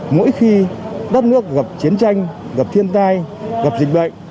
mỗi khi đất nước gặp chiến tranh gặp thiên tai gặp dịch bệnh